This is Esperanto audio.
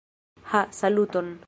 Ha, saluton!